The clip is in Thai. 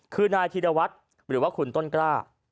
คือนายธีรวัตรหรือว่าคุณต้นกล้า